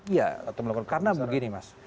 iya karena begini mas